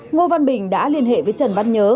ngô văn bình đã liên hệ với trần văn nhớ